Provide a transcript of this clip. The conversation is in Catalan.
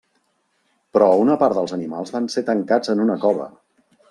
Però una part dels animals van ser tancats en una cova.